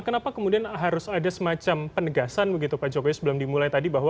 kenapa kemudian harus ada semacam penegasan begitu pak jokowi sebelum dimulai tadi bahwa